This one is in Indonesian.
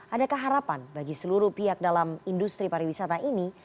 adakah harapan bagi seluruh pihak dalam industri pariwisata ini